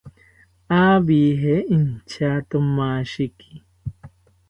Abije intyatomashiki